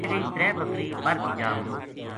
رِہ گئی ترے بکری بَر کی جا ما